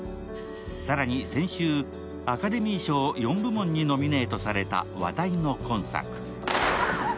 更に先週、アカデミー賞４部門にノミネートされた話題の今作。